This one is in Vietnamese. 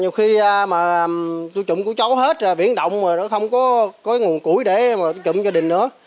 nhiều khi mà tui trụng cổi chấu hết biển động rồi nó không có nguồn củi để mà tui trụng gia đình nữa